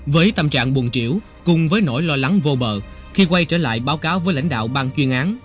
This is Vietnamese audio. với tâm trạng buồn triểu cùng với nỗi lo lắng vô bờ khi quay trở lại báo cáo với lãnh đạo bang chuyên án